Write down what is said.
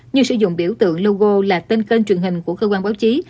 như sử dụng biểu tượng logo là tên kênh truyền hình của cơ quan báo chí